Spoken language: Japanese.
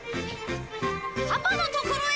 パパのところへ！